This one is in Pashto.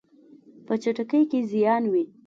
په چټکۍ کې زیان وي.